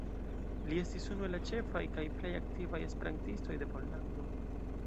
Li estis unu el la ĉefaj kaj plej aktivaj esperantistoj de Pollando.